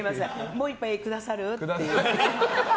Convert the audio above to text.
もう１杯くださる？って。